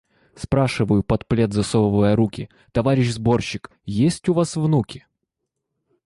Спрашиваю, под плед засовывая руки: – Товарищ сборщик, есть у вас внуки?